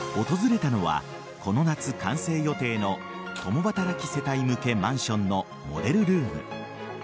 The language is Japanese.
訪れたのは、この夏完成予定の共働き世帯向けマンションのモデルルーム。